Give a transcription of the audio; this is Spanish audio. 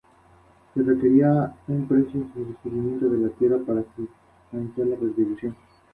Martini recibió al joven compositor y lo probó con unas fugas como ejercicio.